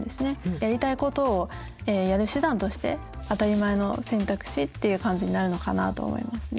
やりたいことをやる手段として当たり前の選択肢っていう感じになるのかなと思いますね。